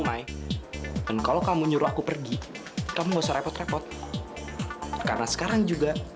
lah ini bukan pertama kali kamu nipu aku